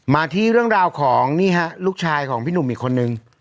มาที่เรื่องราวของนี่ฮะลูกชายของพี่หนุ่มอีกคนนึง